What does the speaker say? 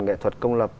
nghệ thuật công lập